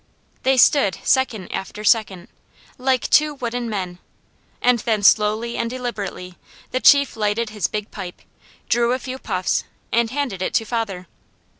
They stood second after second, like two wooden men, and then slowly and deliberately the chief lighted his big pipe, drew a few puffs and handed it to father.